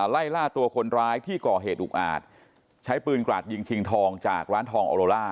ไล่ล่าตัวคนร้ายที่ก่อเหตุอุกอาจใช้ปืนกราดยิงชิงทองจากร้านทองออโลล่า